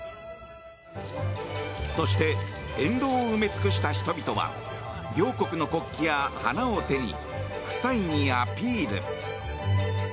そして沿道を埋め尽くした人々は両国の国旗や花を手に夫妻にアピール。